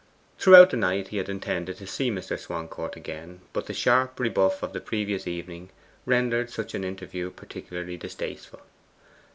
Throughout the night he had intended to see Mr. Swancourt again, but the sharp rebuff of the previous evening rendered such an interview particularly distasteful.